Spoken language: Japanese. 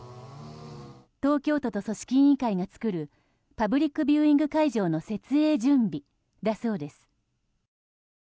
東京都と組織委員会が作るパブリックビューイング会場の設営準備だそうです。